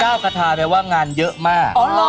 คาทาแปลว่างานเยอะมาก